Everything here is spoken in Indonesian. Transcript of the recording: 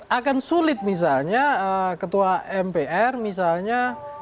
akan sulit misalnya ketua mpr misalnya